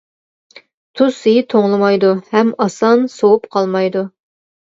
تۇز سۈيى توڭلىمايدۇ، ھەم ئاسان سوۋۇپ قالمايدۇ.